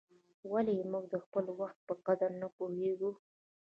ولي موږ د خپل وخت په قدر نه پوهیږو؟